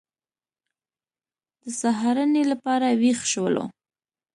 د سهارنۍ لپاره وېښ شولو.